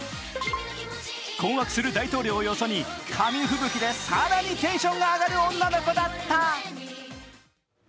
困惑する大統領をよそに紙吹雪で更にテンションが上がる女の子だった。